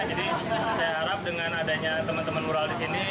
jadi saya harap dengan adanya teman teman mural di sini